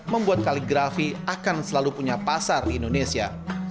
membuat kaligrafi akan selalu punya pasar di indonesia